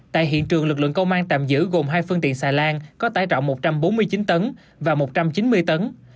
tại hiện trường lực lượng công an tạm giữ gồm hai phương tiện xà lan có tải trọng một trăm bốn mươi chín tấn và một trăm chín mươi tấn